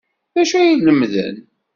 D acu ay la lemmden?